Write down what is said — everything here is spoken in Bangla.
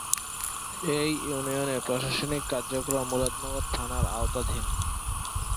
এ ইউনিয়নের প্রশাসনিক কার্যক্রম মুরাদনগর থানার আওতাধীন।